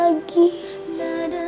maunya adama ya allah